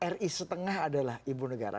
ri setengah adalah ibu negara